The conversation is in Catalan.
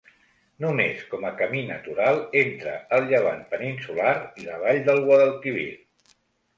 Només com a camí natural entre el llevant peninsular i la vall del Guadalquivir.